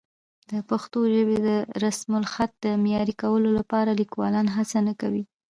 د پښتو ژبې د رسمالخط د معیاري کولو لپاره لیکوالان هڅه نه کوي.